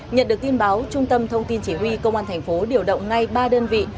nhận được tin báo trung tâm thông tin chỉ huy công an thành phố điều động ngay ba đơn vị